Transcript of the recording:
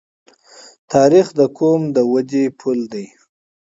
تاریخ د قوم د ودې پل دی.